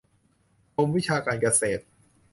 กรมวิชาการเกษตร